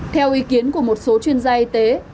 theo ý kiến của một số chuyên gia y tế